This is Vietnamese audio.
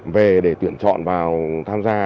về để tuyển chọn vào tham gia